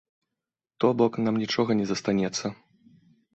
То бок нам нічога не застанецца.